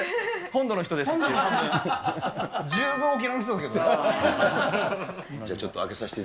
本土の人ですって。